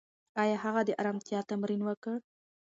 ایا هغه د ارامتیا تمرین وکړ؟